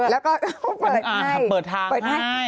แล้วก็เปิดทางให้